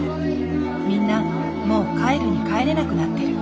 みんなもう帰るに帰れなくなってる。